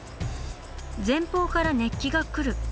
「前方から熱気がくる」。